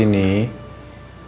kalau mau kesini